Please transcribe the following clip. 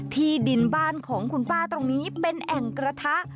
ที่ดินบ้านของคุณป้าตรงนี้เป็นแอ่งกระทะ